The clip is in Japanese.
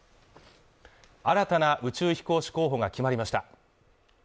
新たな宇宙飛行士候補が決まりました。